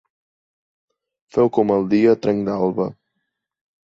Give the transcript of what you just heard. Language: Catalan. Feu com el dia a trenc d'alba.